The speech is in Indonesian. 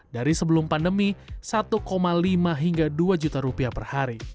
dari sebelum pandemi satu lima hingga dua juta rupiah per hari